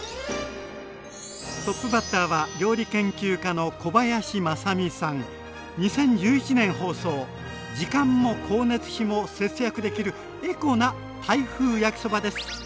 トップバッターは２０１１年放送時間も光熱費も節約できるエコなタイ風焼きそばです。